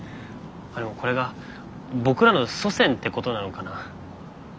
あっでもこれが僕らの祖先ってことなのかな？